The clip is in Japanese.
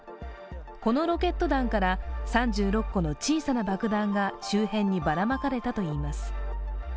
このロケット弾から３６個の小さな爆弾が周辺にばらまかれたといいます。